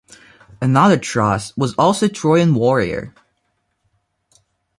Another Tros was also a Trojan warrior.